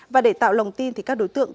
và để tạo lòng tin thì các đối tượng